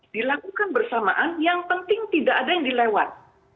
dilakukan bersamaan yang penting tidak ada yang dilewat